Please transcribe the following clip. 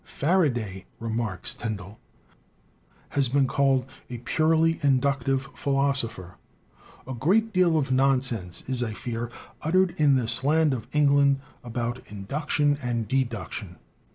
'Faraday/' remarks Tyndall, "has been called a purely inductive philosopher. A great deal of nonsense is, I fear, uttered in this land of England about induction and deduction.